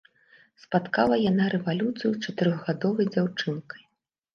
Спаткала яна рэвалюцыю чатырохгадовай дзяўчынкай.